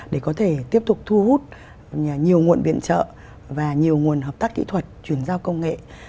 để có thể tiếp tục thu hút nhiều nguồn viện trợ và nhiều nguồn hợp tác kỹ thuật chuyển giao công nghệ